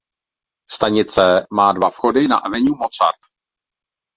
Stanice má dva vchody na "Avenue Mozart".